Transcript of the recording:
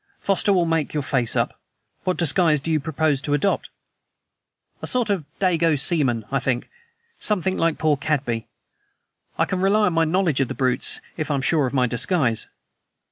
Foster will make your face up. What disguise do you propose to adopt?" "A sort of Dago seaman, I think; something like poor Cadby. I can rely on my knowledge of the brutes, if I am sure of my disguise."